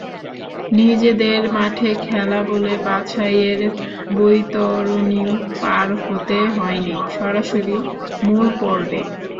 নিজেদের মাঠে খেলা বলে বাছাইয়ের বৈতরণিও পার হতে হয়নি, সরাসরি মূল পর্বে।